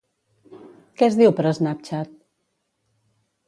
Què es diu per Snapchat?